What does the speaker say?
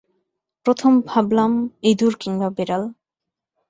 প্রথম ভাবলাম ইঁদুর কিংবা বেড়াল।